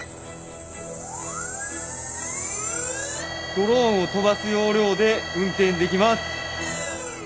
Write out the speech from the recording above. ドローンを飛ばす要領で運転できます。